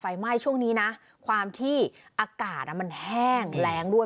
ไฟไหม้ช่วงนี้นะความที่อากาศมันแห้งแรงด้วย